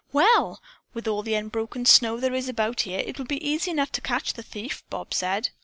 "Well, with all the unbroken snow there is about here, it will be easy enough to catch the thief," Bob said.